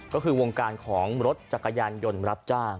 ก็คือวงการของรถจักรยานยนต์รับจ้าง